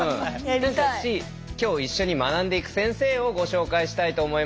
きょう一緒に学んでいく先生をご紹介したいと思います。